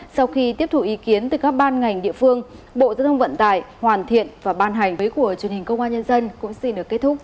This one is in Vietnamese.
sau khi tiếp thủ ý kiến từ các ban ngành địa phương bộ giới thông vận tải hoàn thiện và ban hành